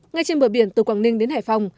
ngay trên bờ biển từ quảng ninh đến hải phòng